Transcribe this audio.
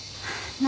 何？